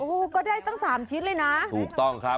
โอ้ยก็ได้ตั้งสามชิ้นเลยนะ